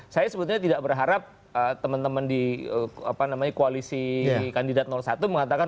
saya sebetulnya tidak berharap teman teman di koalisi kandidat satu mengatakan